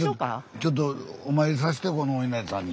ちょっとお参りさしてこのおいなりさんに。